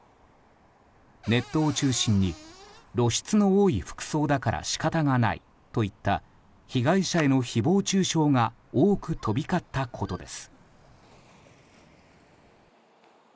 ネットを中心に露出の多い服装だから仕方がないといった被害者への誹謗中傷が多く飛び交ったことです。